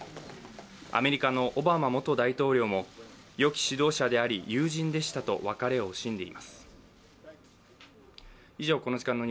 アメリカのオバマ元大統領も、良き指導者であり、友人でしたと別れを惜しんでいます。